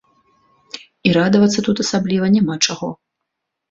І радавацца тут асабліва няма чаго.